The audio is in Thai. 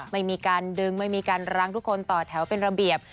ไม่มีการดึงไม่มีการรั้งทุกคนต่อแถวเป็นระเบียบ